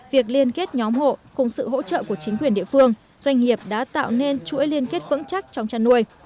việc liên kết nhóm hộ cùng sự hỗ trợ của chính quyền địa phương doanh nghiệp đã tạo nên chuỗi liên kết vững chắc trong chăn nuôi